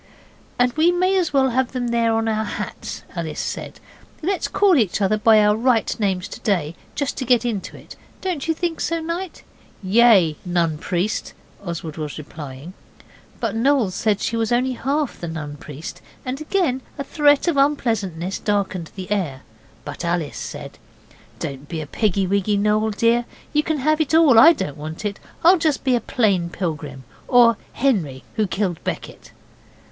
'And we may as well have them there as on our hats,' Alice said. 'And let's call each other by our right names to day, just to get into it. Don't you think so, Knight?' 'Yea, Nun Priest,' Oswald was replying, but Noel said she was only half the Nun Priest, and again a threat of unpleasantness darkened the air. But Alice said 'Don't be a piggy wiggy, Noel, dear; you can have it all, I don't want it. I'll just be a plain pilgrim, or Henry who killed Becket.